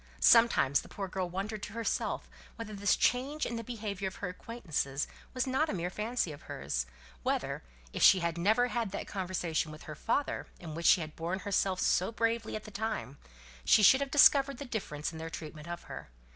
Sometimes the poor girl wondered to herself whether this change in the behaviour of her acquaintances was not a mere fancy of hers; whether, if she had never had that conversation with her father, in which she had borne herself so bravely at the time, she should have discovered the difference in their treatment of her.